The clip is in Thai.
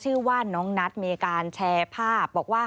ชื่อว่าน้องนัทมีการแชร์ภาพบอกว่า